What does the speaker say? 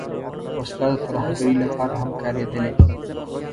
وسله د ترهګرۍ لپاره هم کارېدلې